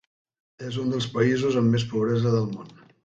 És un dels països amb més pobresa del món.